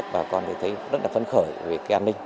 và con thấy rất là phân khởi về an ninh